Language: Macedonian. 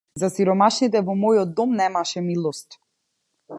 За сиромашните во мојот дом немаше милост.